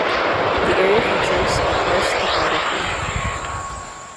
The area features a Karst topography.